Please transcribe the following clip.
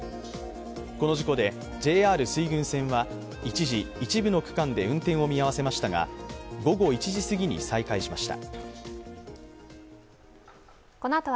この事故でＪＲ水郡線は一時、一部の区間で運転を見合わせましたが午後１時すぎに再開しました。